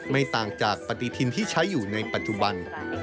ไม่ต่างจากปฏิทินที่ใช้อยู่ในปัจจุบัน